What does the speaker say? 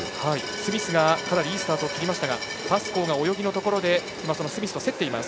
スミスがいいスタートを切りましたがパスコーが泳ぎでスミスと競っています。